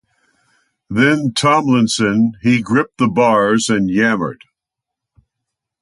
Then Tomlinson he gripped the bars and yammered.